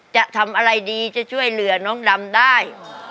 จะทำอะไรดีจะช่วยเหลือน้องดำได้